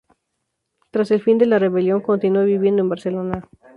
Tras el fin de la rebelión continuó viviendo en Barcelona.